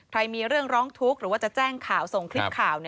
มีเรื่องร้องทุกข์หรือว่าจะแจ้งข่าวส่งคลิปข่าว